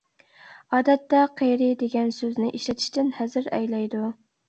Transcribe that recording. ئادەتتە ‹قېرى› دېگەن سۆزنى ئىشلىتىشتىن ھەزەر ئەيلەيدۇ.